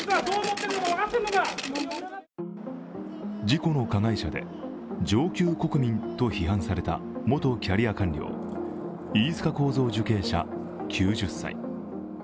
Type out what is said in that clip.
事故の加害者で、上級国民と批判された元キャリア官僚・飯塚幸三受刑者９０歳。